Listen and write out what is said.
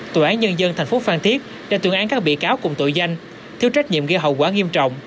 tổ án nhân dân tp phan thiết đã tuyên án các bị cáo cùng tội danh thiếu trách nhiệm gây hậu quả nghiêm trọng